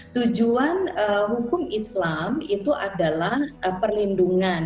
tujuan hukum islam itu adalah perlindungan